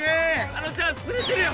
あのちゃん釣れてるよ！